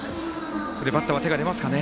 バッターは手が出ますかね？